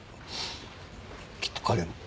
きっと彼も。